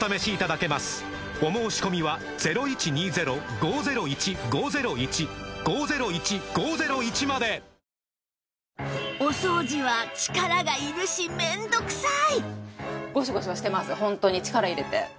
お申込みはお掃除は力がいるし面倒くさい